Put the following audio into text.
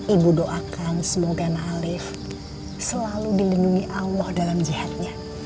ibu doakan semoga nalif selalu dilindungi allah dalam jihadnya